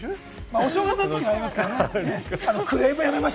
お正月の時期ありますけどね。